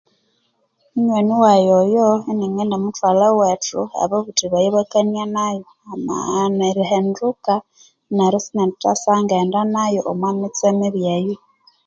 Munywani wayi oyo ini ngendimuthwalha ewethu ababuthi bayi ibakania nayu amaghana erihinduka neryo isinendithasabya ingaghenda nayu omwa mitse mibi eyo